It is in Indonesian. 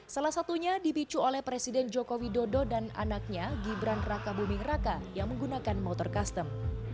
salah satunya dipicu oleh presiden joko widodo dan anaknya gibran raka buming raka yang menggunakan motor custom